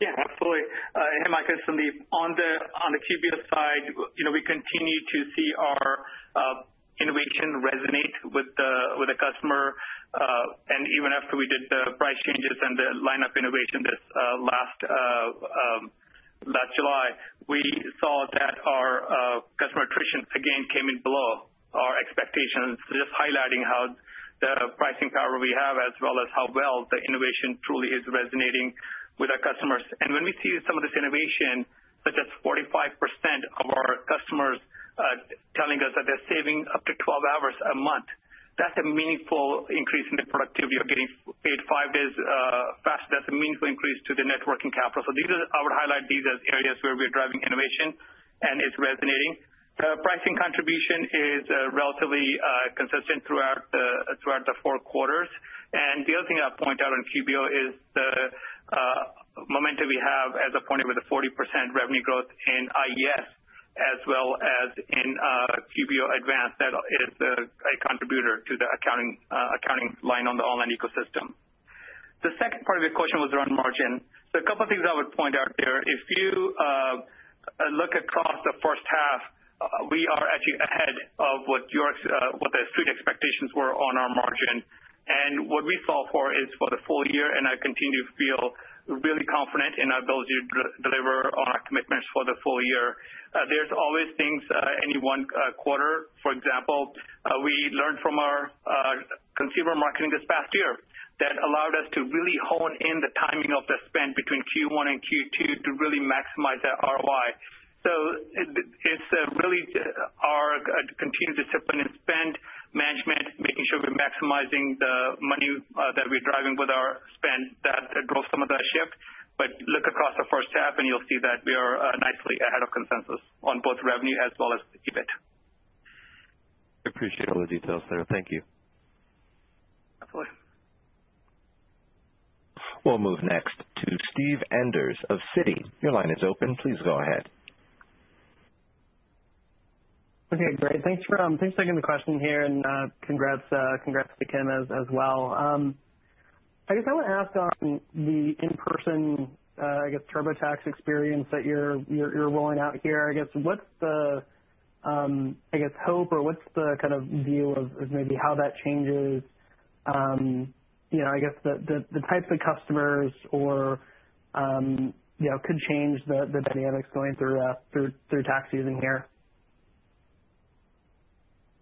Yeah, absolutely. Hey, Michael, Sandeep. On the QBO side, we continue to see our innovation resonate with the customer. Even after we did the price changes and the lineup innovation this last July, we saw that our customer attrition again came in below our expectations. Just highlighting how the pricing power we have, as well as how well the innovation truly is resonating with our customers. When we see some of this innovation, such as 45% of our customers telling us that they're saving up to 12 hours a month, that's a meaningful increase in the productivity. You're getting paid five days faster. That's a meaningful increase to the networking capital. I would highlight these as areas where we're driving innovation and it's resonating. Pricing contribution is relatively consistent throughout the four quarters. The other thing I'd point out on QBO is the momentum we have as a point with the 40% revenue growth in IES, as well as in QBO Advanced that is a contributor to the accounting line on the online ecosystem. The second part of your question was around margin. A couple of things I would point out there. If you look across the first half, we are actually ahead of what the street expectations were on our margin. What we saw is for the full year, and I continue to feel really confident in our ability to deliver on our commitments for the full year. There's always things any one quarter, for example. We learned from our consumer marketing this past year that allowed us to really hone in the timing of the spend between Q1 and Q2 to really maximize that ROI. It is really our continued discipline and spend management, making sure we are maximizing the money that we are driving with our spend that drove some of that shift. Look across the first half, and you will see that we are nicely ahead of consensus on both revenue as well as EBIT. Appreciate all the details there. Thank you. Absolutely. We'll move next to Steve Enders of Citi. Your line is open. Please go ahead. Okay, great. Thanks for taking the question here. Congrats to Kim as well. I want to ask on the in-person, I guess, TurboTax experience that you're rolling out here. What's the hope or what's the kind of view of maybe how that changes the types of customers or could change the dynamics going through tax season here?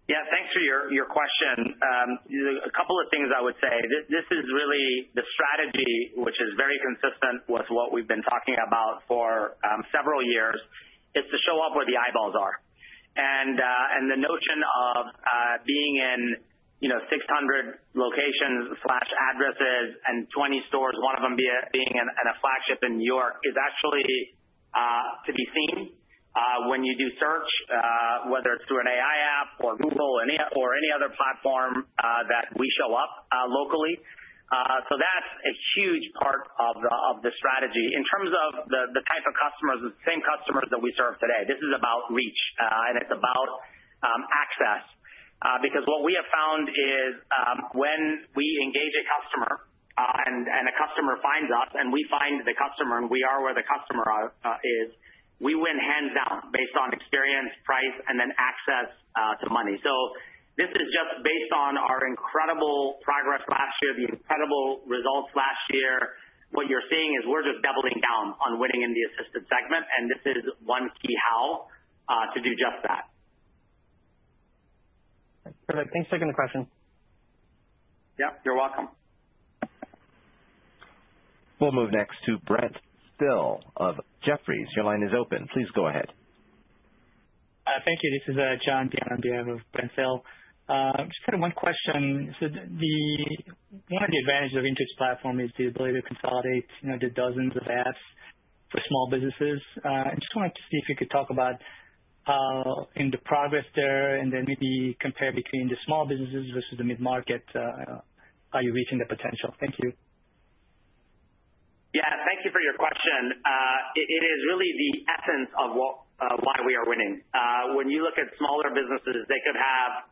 Yeah, thanks for your question. A couple of things I would say. This is really the strategy, which is very consistent with what we've been talking about for several years, is to show up where the eyeballs are. The notion of being in 600 locations/addresses and 20 stores, one of them being a flagship in New York, is actually to be seen when you do search, whether it's through an AI app or Google or any other platform that we show up locally. That's a huge part of the strategy. In terms of the type of customers, the same customers that we serve today, this is about reach, and it's about access. Because what we have found is when we engage a customer and a customer finds us, and we find the customer, and we are where the customer is, we win hands down based on experience, price, and then access to money. This is just based on our incredible progress last year, the incredible results last year. What you're seeing is we're just doubling down on winning in the assisted segment, and this is one key how to do just that. Perfect. Thanks for taking the question. Yep, you're welcome. We'll move next to Brent Thill of Jefferies. Your line is open. Please go ahead. Thank you. This is John Dunigan on for Brent Thill. Just had one question. One of the advantages of the Intuit platform is the ability to consolidate the dozens of apps for small businesses. I just wanted to see if you could talk about the progress there and then maybe compare between the small businesses versus the mid-market, are you reaching the potential? Thank you. Yeah, thank you for your question. It is really the essence of why we are winning. When you look at smaller businesses, they could have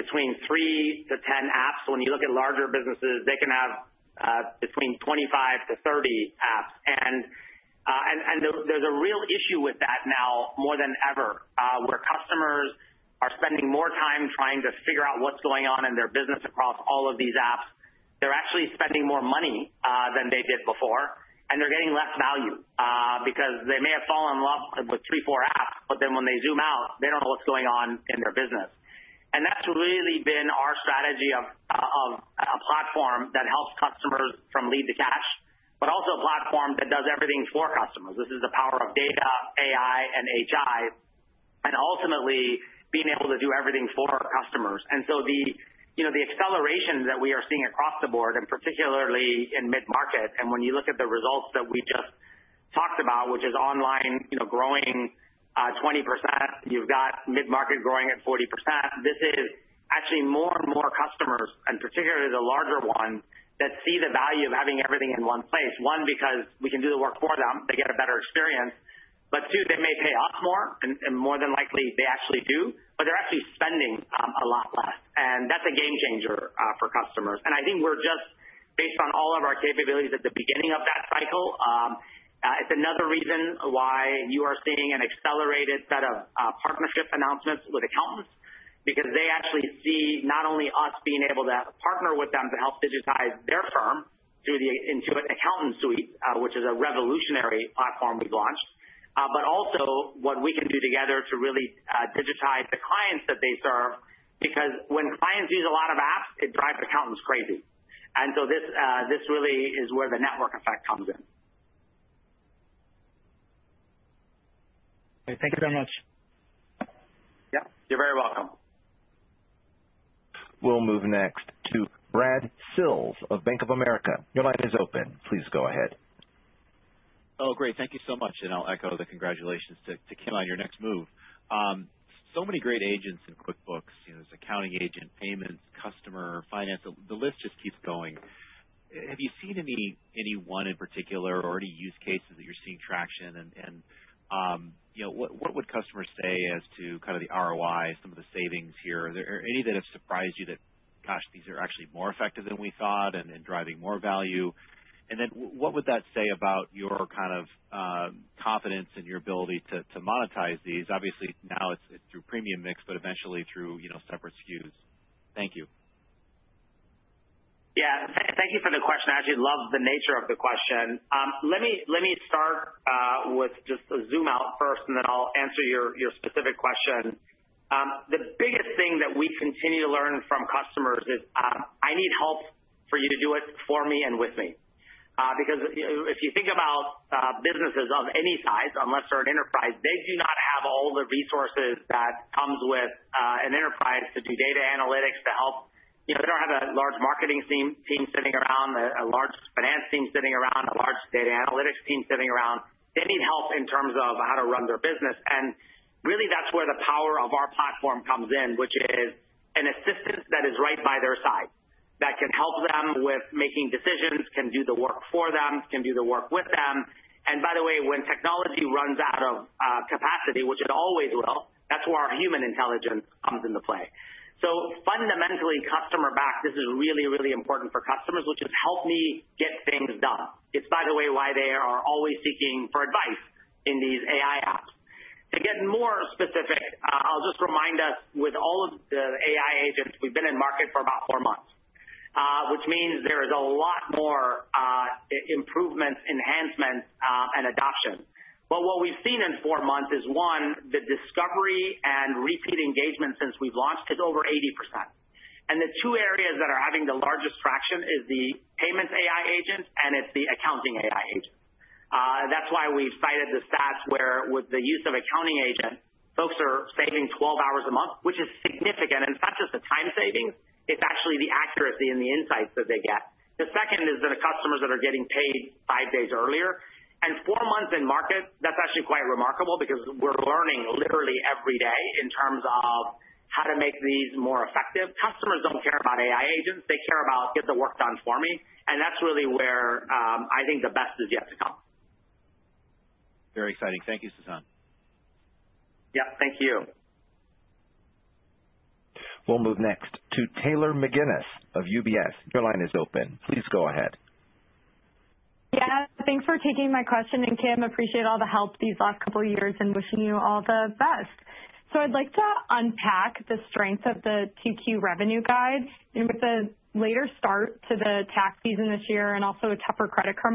between three to 10 apps. When you look at larger businesses, they can have between 25 to 30 apps. There is a real issue with that now more than ever, where customers are spending more time trying to figure out what's going on in their business across all of these apps. They're actually spending more money than they did before, and they're getting less value because they may have fallen in love with three, four apps, but then when they zoom out, they don't know what's going on in their business. That is really been our strategy of a platform that helps customers from lead to cash, but also a platform that does everything for customers. This is the power of data, AI, and HI, and ultimately being able to do everything for our customers. The acceleration that we are seeing across the board, and particularly in mid-market, and when you look at the results that we just talked about, which is online growing 20%, you have mid-market growing at 40%. This is actually more and more customers, and particularly the larger ones, that see the value of having everything in one place. One, because we can do the work for them, they get a better experience. Two, they may pay us more, and more than likely they actually do, but they are actually spending a lot less. That is a game changer for customers. I think we're just, based on all of our capabilities at the beginning of that cycle, it's another reason why you are seeing an accelerated set of partnership announcements with accountants, because they actually see not only us being able to partner with them to help digitize their firm through the Intuit Accounting Suite, which is a revolutionary platform we've launched, but also what we can do together to really digitize the clients that they serve, because when clients use a lot of apps, it drives accountants crazy. This really is where the network effect comes in. Thank you very much. Yep, you're very welcome. We'll move next to Brad Sills of Bank of America. Your line is open. Please go ahead. Oh, great. Thank you so much. I'll echo the congratulations to Kim on your next move. So many great agents in QuickBooks. There's accounting agent, payments, customer, finance. The list just keeps going. Have you seen anyone in particular or any use cases that you're seeing traction? What would customers say as to kind of the ROI, some of the savings here? Are there any that have surprised you that, gosh, these are actually more effective than we thought and driving more value? What would that say about your kind of confidence in your ability to monetize these? Obviously, now it's through premium mix, but eventually through separate SKUs. Thank you. Yeah, thank you for the question. I actually love the nature of the question. Let me start with just a zoom out first, and then I'll answer your specific question. The biggest thing that we continue to learn from customers is, "I need help for you to do it for me and with me." Because if you think about businesses of any size, unless they're an enterprise, they do not have all the resources that come with an enterprise to do data analytics, to help. They don't have a large marketing team sitting around, a large finance team sitting around, a large data analytics team sitting around. They need help in terms of how to run their business. Really, that's where the power of our platform comes in, which is an assistant that is right by their side, that can help them with making decisions, can do the work for them, can do the work with them. By the way, when technology runs out of capacity, which it always will, that's where our human intelligence comes into play. Fundamentally, customer back, this is really, really important for customers, which is, "Help me get things done." It is, by the way, why they are always seeking for advice in these AI apps. To get more specific, I'll just remind us, with all of the AI agents, we've been in market for about four months, which means there is a lot more improvements, enhancements, and adoption. What we've seen in four months is, one, the discovery and repeat engagement since we've launched is over 80%. The two areas that are having the largest traction are the payments AI agent and it's the accounting AI agent. That's why we've cited the stats where, with the use of accounting agent, folks are saving 12 hours a month, which is significant. It's not just the time savings, it's actually the accuracy and the insights that they get. The second is the customers that are getting paid five days earlier. Four months in market, that's actually quite remarkable because we're learning literally every day in terms of how to make these more effective. Customers don't care about AI agents. They care about, "Get the work done for me." That's really where I think the best is yet to come. Very exciting. Thank you, Sasan. Yep, thank you. We'll move next to Taylor McGinnis of UBS. Your line is open. Please go ahead. Yeah, thanks for taking my question. Kim, appreciate all the help these last couple of years and wishing you all the best. I'd like to unpack the strength of the TQ revenue guide. With the later start to the tax season this year and also a tougher credit comp,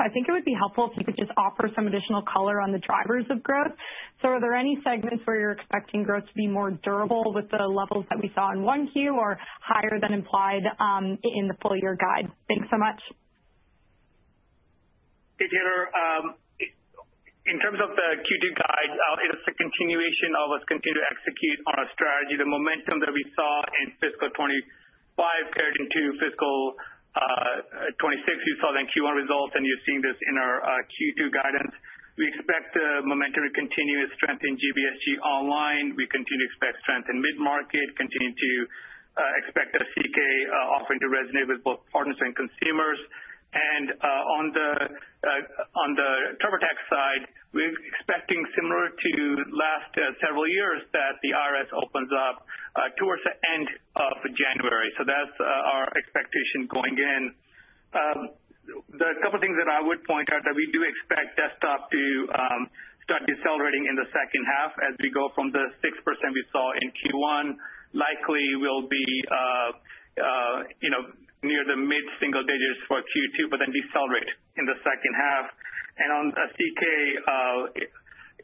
I think it would be helpful if you could just offer some additional color on the drivers of growth. Are there any segments where you're expecting growth to be more durable with the levels that we saw in one Q or higher than implied in the full year guide? Thanks so much. Hey, Taylor. In terms of the Q2 guide, it's a continuation of what's continued to execute on our strategy. The momentum that we saw in fiscal 2025 paired into fiscal 2026, you saw that Q1 results, and you're seeing this in our Q2 guidance. We expect the momentum to continue with strength in GBSG online. We continue to expect strength in mid-market, continue to expect our CK offering to resonate with both partners and consumers. On the TurboTax side, we're expecting, similar to last several years, that the IRS opens up towards the end of January. That is our expectation going in. The couple of things that I would point out that we do expect desktop to start decelerating in the second half as we go from the 6% we saw in Q1. Likely, we'll be near the mid-single digits for Q2, but then decelerate in the second half. On the CK,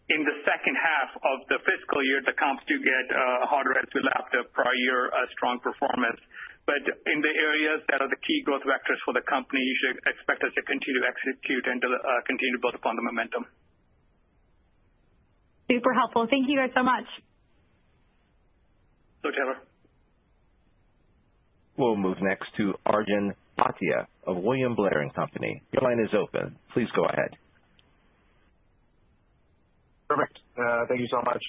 in the second half of the fiscal year, the comps do get harder as we lap the prior year strong performance. In the areas that are the key growth vectors for the company, you should expect us to continue to execute and continue to build upon the momentum. Super helpful. Thank you guys so much. So, Taylor. We'll move next to Arjun Bhatia of William Blair and Company. Your line is open. Please go ahead. Perfect. Thank you so much.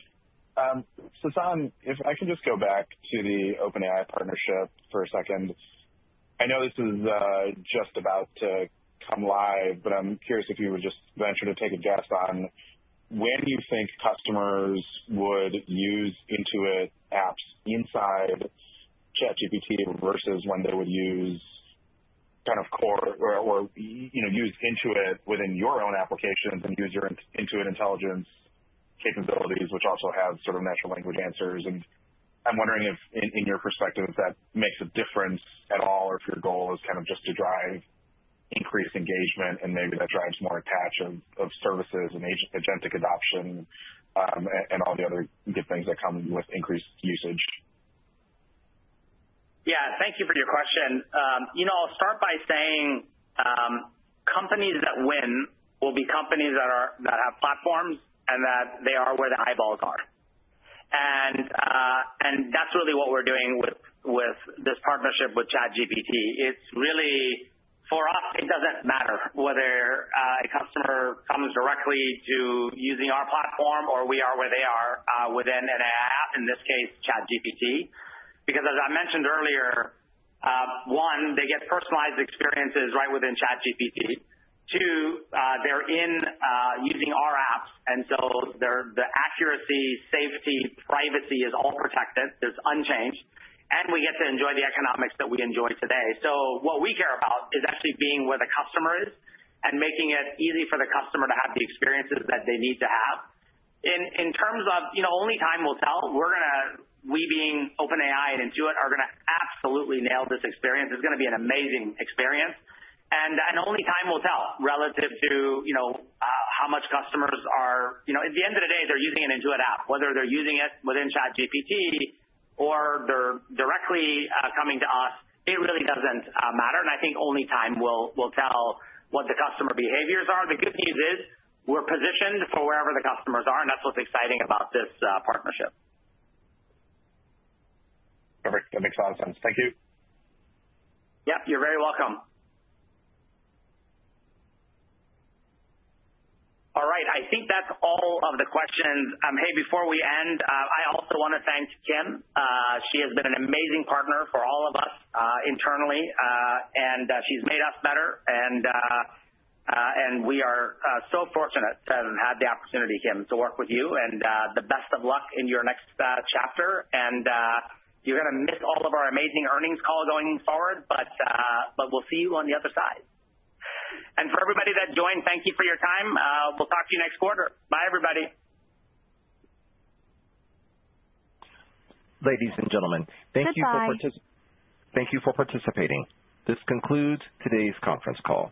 Sasan, if I can just go back to the OpenAI partnership for a second. I know this is just about to come live, but I'm curious if you would just venture to take a guess on when you think customers would use Intuit apps inside ChatGPT versus when they would use kind of core or use Intuit within your own applications and use your Intuit Intelligence capabilities, which also have sort of natural language answers. I'm wondering if, in your perspective, that makes a difference at all or if your goal is kind of just to drive increased engagement and maybe that drives more attach of services and agentic adoption and all the other good things that come with increased usage. Yeah, thank you for your question. I'll start by saying companies that win will be companies that have platforms and that they are where the eyeballs are. That is really what we're doing with this partnership with ChatGPT. It's really, for us, it doesn't matter whether a customer comes directly to using our platform or we are where they are within an AI app, in this case, ChatGPT. Because as I mentioned earlier, one, they get personalized experiences right within ChatGPT. Two, they're in using our apps. The accuracy, safety, privacy is all protected. It's unchanged. We get to enjoy the economics that we enjoy today. What we care about is actually being where the customer is and making it easy for the customer to have the experiences that they need to have. In terms of only time will tell, we being OpenAI and Intuit are going to absolutely nail this experience. It's going to be an amazing experience. Only time will tell relative to how much customers are at the end of the day, they're using an Intuit app. Whether they're using it within ChatGPT or they're directly coming to us, it really doesn't matter. I think only time will tell what the customer behaviors are. The good news is we're positioned for wherever the customers are, and that's what's exciting about this partnership. Perfect. That makes a lot of sense. Thank you. Yep, you're very welcome. All right. I think that's all of the questions. Hey, before we end, I also want to thank Kim. She has been an amazing partner for all of us internally, and she's made us better. We are so fortunate to have had the opportunity, Kim, to work with you. The best of luck in your next chapter. You're going to miss all of our amazing earnings call going forward, but we'll see you on the other side. For everybody that joined, thank you for your time. We'll talk to you next quarter. Bye, everybody. Ladies and gentlemen, thank you for participating. This concludes today's conference call.